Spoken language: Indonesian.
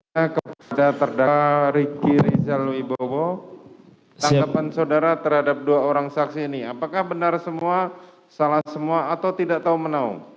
saya kepada terdakwa riki rizal wibowo tanggapan saudara terhadap dua orang saksi ini apakah benar semua salah semua atau tidak tahu menau